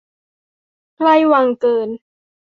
ใกล้วังเกิน